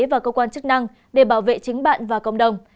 và cơ quan chức năng để bảo vệ chính bạn và cộng đồng